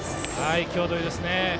際どいですね。